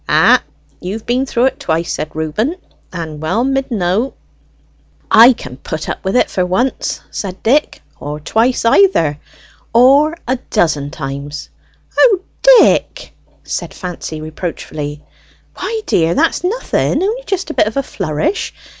"Ay, you've been through it twice," said Reuben, "and well mid know." "I can put up with it for once," said Dick, "or twice either, or a dozen times." "O Dick!" said Fancy reproachfully. "Why, dear, that's nothing, only just a bit of a flourish.